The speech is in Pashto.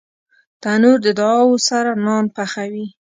تنور د دعاوو سره نان پخوي